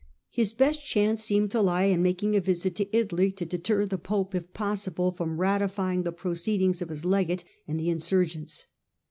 His best chance seemed to lie in making a visit to Henry's se Italy, to deter the pope, if possible, from rati itaiT, ui6 fying the proceedings of his legate and the insurgents.